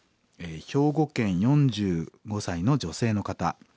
兵庫県４５歳の女性の方。